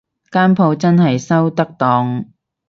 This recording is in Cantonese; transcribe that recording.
間舖真係收得檔